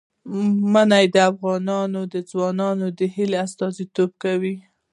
منی د افغان ځوانانو د هیلو استازیتوب کوي.